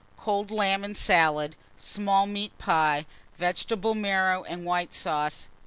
Cold lamb and salad, small meat pie, vegetable marrow and white sauce.